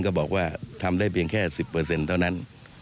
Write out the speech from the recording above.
ก็บอกว่าทำได้เพียงแค่สิบเปอร์เซ็นต์ก็นั้น